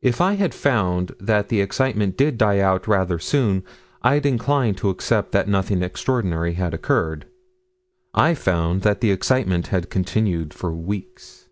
If I had found that the excitement did die out rather soon, I'd incline to accept that nothing extraordinary had occurred. I found that the excitement had continued for weeks.